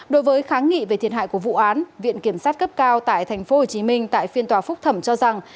đối với kháng nghị về thiệt hại của vụ án viện kiểm sát cấp cao tại tp hcm tại phiên tòa phúc thẩm cho rằng